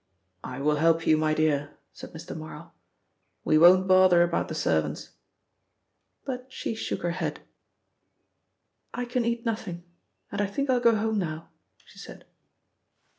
"I will help you, my dear," said Mr. Marl. "We won't bother about the servants." But she shook her head. "I can eat nothing, and I think I'll go home now," she said.